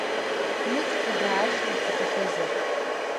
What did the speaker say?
Мыҷгьы даашьҭх уҭахызар?